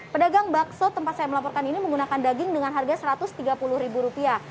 pedagang bakso tempat saya melaporkan ini menggunakan daging dengan harga satu ratus tiga puluh ribu rupiah